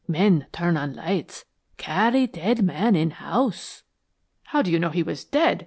Men turn on lights CARRY DEAD MAN IN HOUSE!" "How did you know he was dead?"